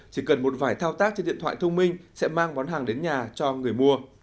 chỉ cần một vài thao tác trên điện thoại thông minh sẽ mang món hàng đến nhà cho người mua